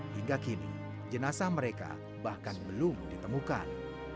hingga kini jenazah mereka bahkan belum ditemukan